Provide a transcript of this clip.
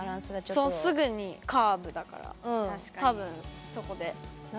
そうすぐにカーブだから多分そこで。